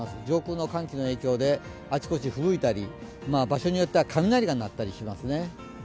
上空の寒気の影響であちこちふぶいたり、場所によっては雷が鳴ったりしますね。